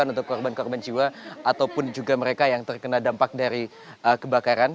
untuk korban korban jiwa ataupun juga mereka yang terkena dampak dari kebakaran